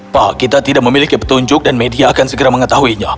pak kita tidak memiliki petunjuk dan media akan segera mengetahuinya